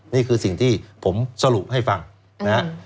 นี่คือสิ่งที่ผมสรุปให้ฟังนะฮะ